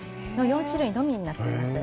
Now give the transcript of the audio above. ４種類のみになっています。